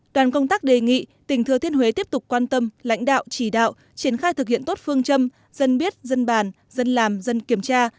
đoàn công tác đề nghị tỉnh thừa thiên huế tiếp tục quan tâm lãnh đạo chỉ đạo triển khai thực hiện tốt phương châm dân biết dân bàn dân làm dân kiểm tra